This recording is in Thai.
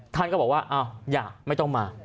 ท่านก็บอกว่าอ้าวอย่าไม่ต้องมา